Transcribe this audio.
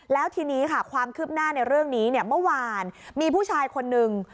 แล้วทีนี้ค่ะความคืบหน้าในเรื่องนี้เนี่ยเมื่อวานมีผู้ชายคนนึง